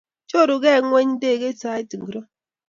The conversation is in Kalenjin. Chorugee ngweny ndegeit sait ngiro?